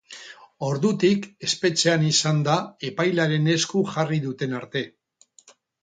Ordutik espetxean izan da epailearen esku jarri duten arte.